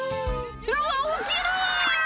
「うわ落ちる！」